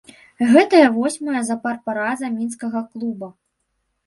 Гэтая восьмая запар параза мінскага клуба.